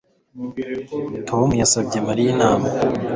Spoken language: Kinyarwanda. S Tom yasabye Mariya inama